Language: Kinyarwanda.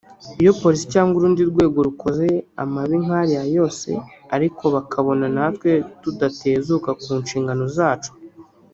Iyo polisi cyangwa urundi rwego rukoze amabi nk’ariya yose ariko bakabona natwe tudatezuka ku nshingano zacu